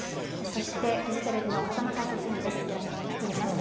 そしてフジテレビの風間解説委員です。